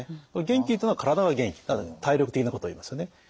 元気というのは体が元気体力的なことを言いますよね。